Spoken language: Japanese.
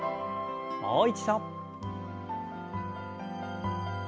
もう一度。